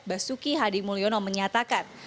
basuki hadi mulyono menyatakan